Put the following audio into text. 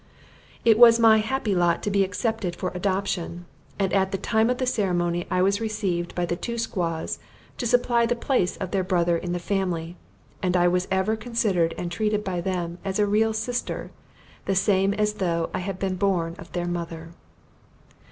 It was my happy lot to be accepted for adoption; and at the time of the ceremony I was received by the two squaws, to supply the place of their brother in the family; and I was ever considered and treated by them as a real sister, the same as though I had been born of their mother.